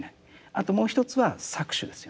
あともう一つは搾取ですよね。